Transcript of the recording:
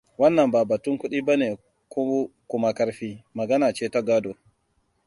Wannan ba batun kuɗi bane ko kuma ƙarfi. Magana ce ta gado.